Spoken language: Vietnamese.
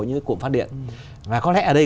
những cái cụm phát điện và có lẽ ở đây